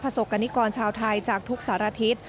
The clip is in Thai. สกรณิกรชาวไทยจากทุกสารทิศ